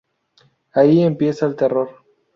Ahí empieza el terror...